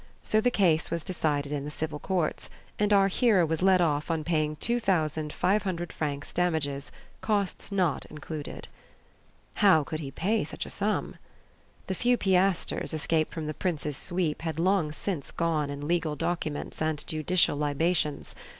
So the case was decided in the civil courts, and our hero was let off on paying two thousand five hundred francs damages, costs not included. How could he pay such a sum? The few piashtres escaped from the prince's sweep had long since gone in legal documents and judicial libations.